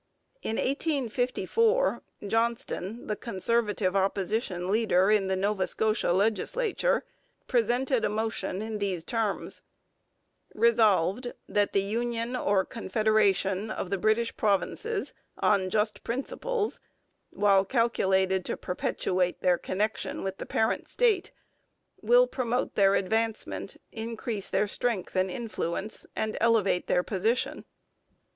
In 1854 Johnston, the Conservative Opposition leader in the Nova Scotia legislature, presented a motion in these terms: 'Resolved, That the union or confederation of the British Provinces on just principles, while calculated to perpetuate their connection with the parent state, will promote their advancement, increase their strength and influence, and elevate their position.'